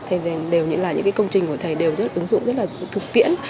thầy đều những là những cái công trình của thầy đều rất ứng dụng rất là thực tiễn